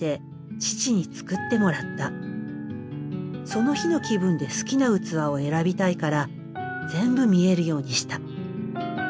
その日の気分で好きな器を選びたいから全部見えるようにした。